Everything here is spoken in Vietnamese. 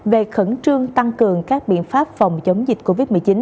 về khẩn trương tăng cường các biện pháp phòng chống dịch covid một mươi chín